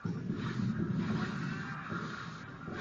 可汗家族居住的宫城有两个城门和瞭望塔加强警戒。